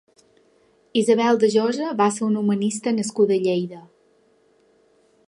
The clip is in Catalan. Isabel de Josa va ser una humanista nascuda a Lleida.